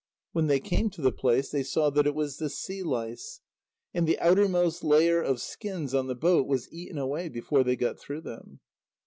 When they came to the place, they saw that it was the sea lice. And the outermost layer of skins on the boat was eaten away before they got through them.